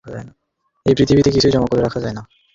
এ পৃথিবীতে কিছুই জমা করে রাখা যায় না।